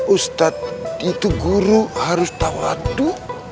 ustadz itu guru harus tahu adu